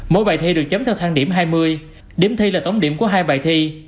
mỗi bài thi được chấm theo thang điểm hai mươi điểm thi là tổng điểm của hai bài thi